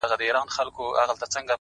• هغه ښارته چي په خوب کي دي لیدلی ,